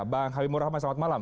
bang habibur rahman selamat malam